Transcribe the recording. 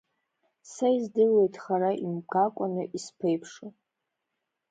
Са издыруеит хара имгакәаны исԥеиԥшу…